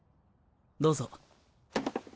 どうぞ。